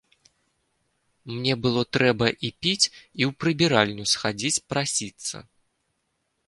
Мне было трэба і піць і ў прыбіральню схадзіць прасіцца.